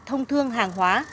thông thương hàng hóa